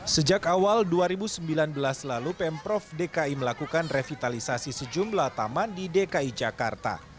sejak awal dua ribu sembilan belas lalu pemprov dki melakukan revitalisasi sejumlah taman di dki jakarta